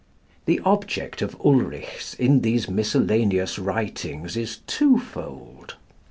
The object of Ulrichs in these miscellaneous writings is twofold.